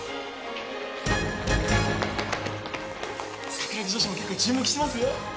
桜木女子も結構注目してますよ。